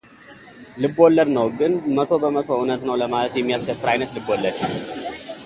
ልብ ወለድ ነው ግን መቶበመቶ እውነት ነው ለማለት የሚያስደፍር ዓይነት ልብ ወለድ።